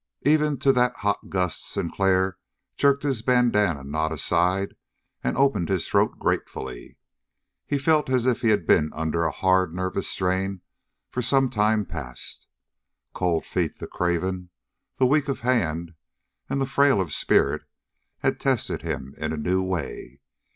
Even to that hot gust Sinclair jerked his bandanna knot aside and opened his throat gratefully. He felt as if he had been under a hard nervous strain for some time past. Cold Feet, the craven, the weak of hand and the frail of spirit, had tested him in a new way.